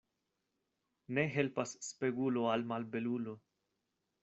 Ne helpas spegulo al malbelulo.